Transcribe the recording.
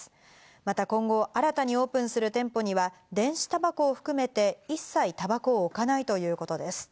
また今後、新たにオープンする店舗には電子たばこ含めて一切たばこを置かないということです。